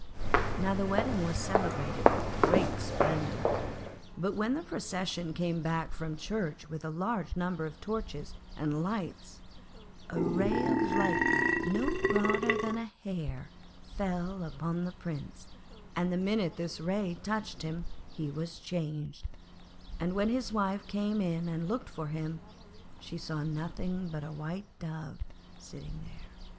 Now the wedding was celebrated with great splendour. But when the procession came back from church with a large number of torches and lights, a ray of light no broader than a hair fell upon the Prince, and the minute this ray touched him he was changed; and when his wife came in and looked for him, she saw nothing but a White Dove sitting there.